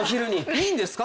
いいんですか？